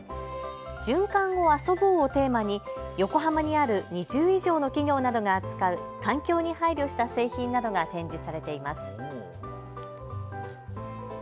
循環を遊ぼうをテーマに横浜にある２０以上の企業などが扱う環境に配慮した製品などが展示されています。